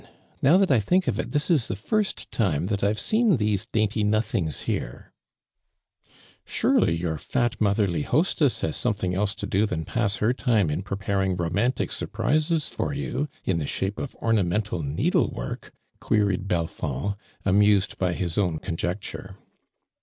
Now, that I think of it, this is the first time that I've soon tlioso dainty nothings Iioro !"'•' iSuroly your fat mothei'ly hostess ha.s .sometiiing else to do than to pass her time in jiroparing romantic surprises for you. in the shape of oi'nHniontal neodle work," queried Belfond, anuisod by his own con jecL'. e.